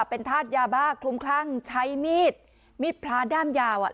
เป็นธาตุยาบ้าคลุมคลั่งใช้มีดมีดพระด้ามยาวอ่ะ